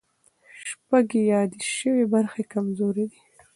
شپږ یادې شوې برخې کمزوري دي.